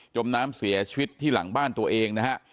มน้ำเสียชีวิตที่หลังบ้านตัวเองนะฮะ